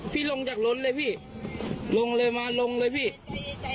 พี่ลงจากรถเลยพี่ลงเลยมาลงเลยพี่ใจเย็นใจเย็นใจเย็น